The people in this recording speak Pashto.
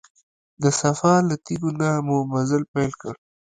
د صفا له تیږو نه مو مزل پیل کړ.